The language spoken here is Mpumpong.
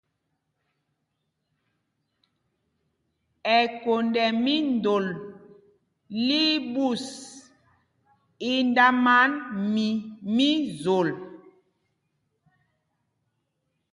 Ɛkond ɛ́ míndol lí í ɓūs, í ndáman mi mí Zol.